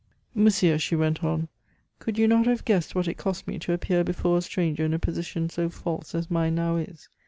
"Monsieur," she went on, "could you not have guessed what it cost me to appear before a stranger in a position so false as mine now is?